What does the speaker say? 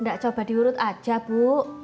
tidak coba diurut aja bu